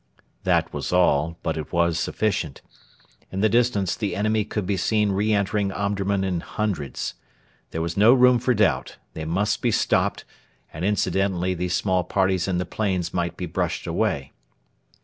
That was all, but it was sufficient. In the distance the enemy could be seen re entering Omdurman in hundreds. There was no room for doubt. They must be stopped, and incidentally these small parties in the plain might be brushed away.